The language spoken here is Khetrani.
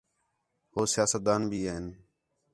ہو سیاست دان بھی ہین